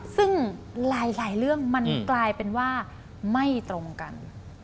ซึ่งหลายเรื่องมันกลายเป็นว่าไม่ตรงกัน